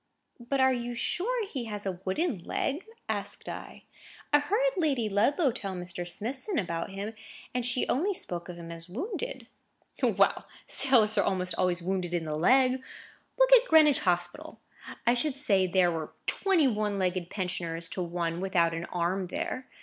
"But are you sure he has a wooden leg?" asked I. "I heard Lady Ludlow tell Mr. Smithson about him, and she only spoke of him as wounded." "Well, sailors are almost always wounded in the leg. Look at Greenwich Hospital! I should say there were twenty one legged pensioners to one without an arm there.